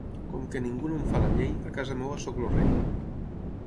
Com que ningú no em fa la llei, a casa meva soc el rei.